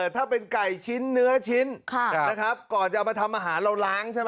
ถ้าเป็นไก่ชิ้นเนื้อชิ้นนะครับก่อนจะเอามาทำอาหารเราล้างใช่ไหม